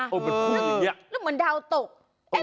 เหมือนผีอย่างเงี้ย